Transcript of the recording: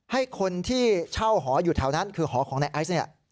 ให้คนที่เช่าหออยู่แถวนั้นคือหอของนายไอซ์เนี่ย